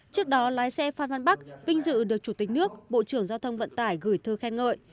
trước đó lái xe phan văn bắc vinh dự được chủ tịch nước bộ trưởng giao thông vận tải gửi thư khen ngợi